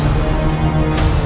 tidak ada apa apa